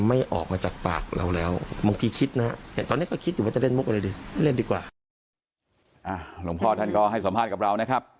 อ่ะหลวงพ่อท่านก็ให้สอบฆ่ากับเรานะครับ